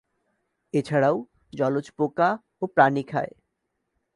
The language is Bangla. এছাড়াও জলজ পোকা ও প্রাণী খায়।